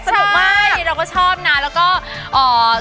สนุกไม่เราก็ชอบนะแล้วก็เอ่อ